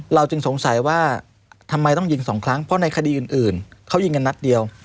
จึงสงสัยว่าทำไมต้องยิงสองครั้งเพราะในคดีอื่นเขายิงกันนัดเดียว